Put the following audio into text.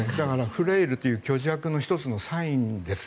フレイルという虚弱の１つのサインです。